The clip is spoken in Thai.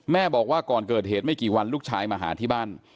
บอกว่าก่อนเกิดเหตุไม่กี่วันลูกชายมาหาที่บ้าน